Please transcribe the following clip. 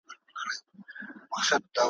خره به ټوله ورځ په شا وړله بارونه ,